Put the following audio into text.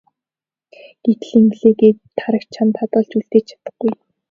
Гэтэл ингэлээ гээд би Тараг чамд хадгалж үлдээж чадахгүй.